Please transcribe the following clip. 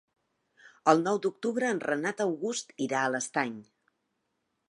El nou d'octubre en Renat August irà a l'Estany.